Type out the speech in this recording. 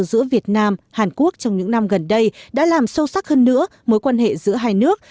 giữa việt nam hàn quốc trong những năm gần đây đã làm sâu sắc hơn nữa mối quan hệ giữa hai nước